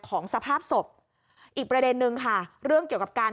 สภาพศพอีกประเด็นนึงค่ะเรื่องเกี่ยวกับการ